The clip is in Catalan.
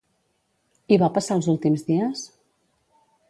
Hi va passar els últims dies?